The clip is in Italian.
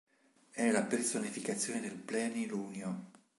È la personificazione del plenilunio.